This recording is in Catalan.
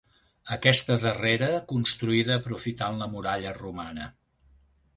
Aquesta darrera construïda aprofitant la muralla romana.